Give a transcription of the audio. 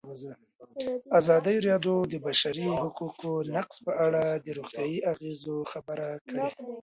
ازادي راډیو د د بشري حقونو نقض په اړه د روغتیایي اغېزو خبره کړې.